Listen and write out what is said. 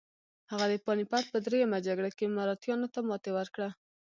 هغه د پاني پت په دریمه جګړه کې مراتیانو ته ماتې ورکړه.